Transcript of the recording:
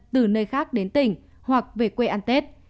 từ nơi khác đến tỉnh hoặc về quê ăn tết